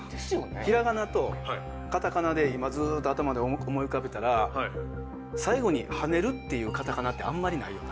ひらがなとカタカナで今ずーっと頭で思い浮かべたら最後にはねるっていうカタカナってあんまりないよな？